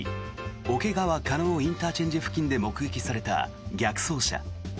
桶川加納ＩＣ付近で目撃された逆走車。